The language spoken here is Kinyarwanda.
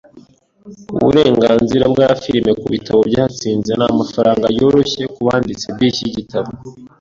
Uburenganzira bwa firime kubitabo byatsinze ni amafaranga yoroshye kubanditsi b'iki gitabo.